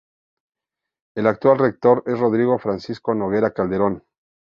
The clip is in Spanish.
El actual rector es Rodrigo Francisco Noguera Calderón.